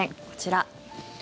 こちら。